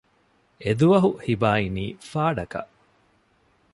އެދުވަހު ހިބާ އިނީ ފާޑަކަށް